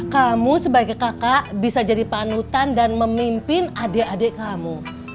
kamu sebagai kakak bisa jadi panutan dan memimpin adik adik kamu